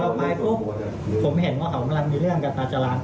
ตายเจริญคือมันฝันอยู่กับตาเจริญ